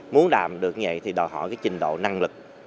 muốn đảm được như vậy thì đòi hỏi cái trình độ năng lực